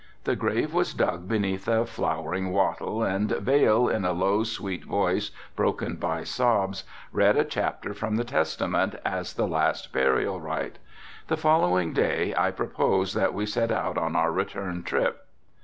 The grave was dug beneath a flowering wattle and Vail, in a low, sweet voice, broken by sobs, read a chapter from the Testament as the last burial rite. The following day I proposed that we set out on our return trip.